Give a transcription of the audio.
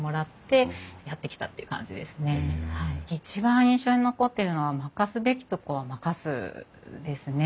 一番印象に残ってるのは任すべきとこは任すですね。